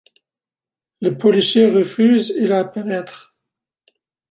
Le policier refuse et la pénètre.